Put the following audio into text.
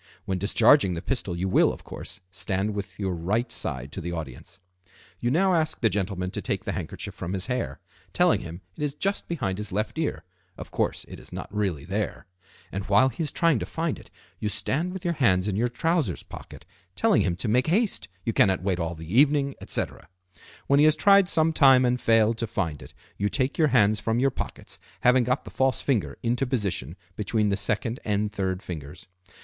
When discharging the pistol you will, of course, stand with your right side to the audience. You now ask the gentleman to take the handkerchief from his hair, telling him it is just behind his left ear (of course it is not really there); and while he is trying to find it you stand with your hands in your trousers pockets, telling him to make haste, you cannot wait all the evening, etc. When he has tried some time and failed to find it you take your hands from your pockets, having got the false finger into position between the second and third fingers.